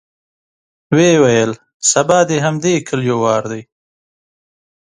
ويې ويل: سبا د همدې کليو وار دی.